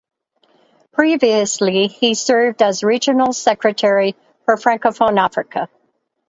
Previously he served as Regional Secretary for Francophone Africa.